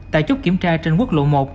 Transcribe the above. tại chốt kiểm tra trên quốc lộ một